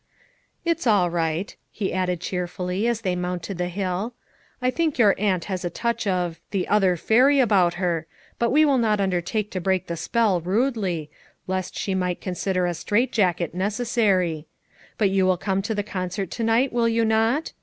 " "It's all right," he added cheerfully as they mounted the hill. "I think your aunt has a touch of— the other fairy about her, but we will not undertake to break the spell rudely, lest she might consider a strait jacket necessary. But you will come to the concert to night, will you not?